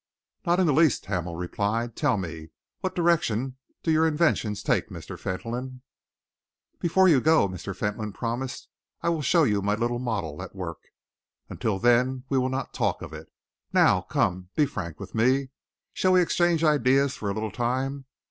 "Not in the least," Hamel replied. "Tell me, what direction do your inventions take, Mr. Fentolin?" "Before you go," Mr. Fentolin promised, "I will show you my little model at work. Until then we will not talk of it. Now come, be frank with me. Shall we exchange ideas for a little time?